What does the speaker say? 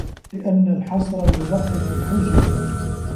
لِأَنَّ الْحَصْرَ يُضَعِّفُ الْحُجَّةَ